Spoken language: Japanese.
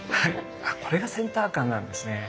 これがセンター感なんですね。